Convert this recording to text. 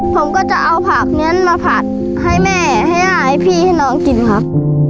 ผมก็จะเอาผักนี้มาผัดให้แม่ให้ย่าให้พี่ให้น้องกินครับ